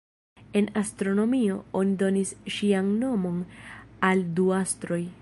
En astronomio, oni donis ŝian nomon al du astroj.